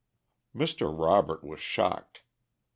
Mr. Robert was shocked.